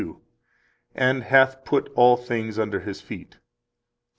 1:22: And hath put all things under His feet [ Ps.